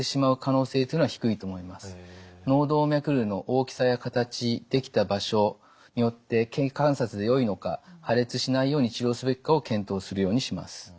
脳動脈瘤の大きさや形できた場所によって経過観察でよいのか破裂しないように治療すべきかを検討するようにします。